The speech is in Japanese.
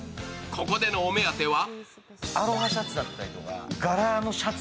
ここでのお目当ては？